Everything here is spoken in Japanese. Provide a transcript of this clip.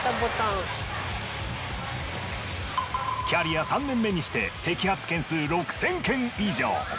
キャリア３年目にして摘発件数６，０００件以上。